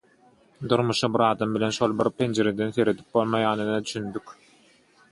Durmuşa bir adam bilen şol bir penjireden seredip bolmaýanyna düşündik.